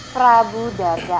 tidak ada yang bisa